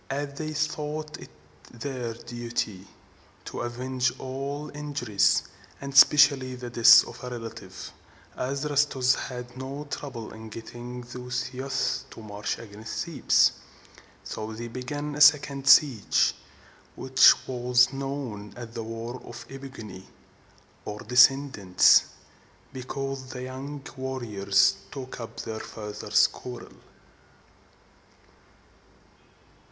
As they thought it their duty to avenge all injuries, and especially the death of a relative, Adrastus had no trouble in getting these youths to march against Thebes. So they began a second siege, which was known as the War of the E pig´o ni, or descendants, because the young warriors took up their fathers' quarrel.